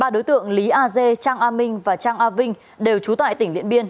ba đối tượng lý a g trang a minh và trang a vinh đều trú tại tỉnh liện biên